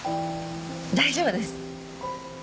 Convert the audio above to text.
大丈夫です。